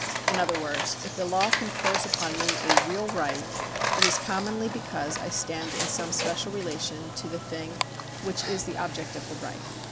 In other words, if the law confers upon me a real right, it is commonly because I stand in some special relation to the thing which is the object of the right.